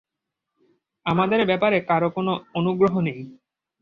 আমাদের ব্যাপারে কারো কোনো অনুগ্রহ নেই।